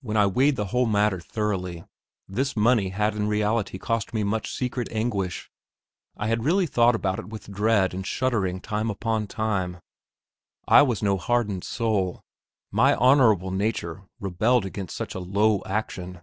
When I weighed the whole matter thoroughly, this money had in reality cost me much secret anguish; I had really thought about it with dread and shuddering time upon time. I was no hardened soul; my honourable nature rebelled against such a low action.